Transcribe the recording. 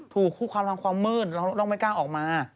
ถูกคู่ค้ามทั้งความมืดแล้วไม่กล้าออกมา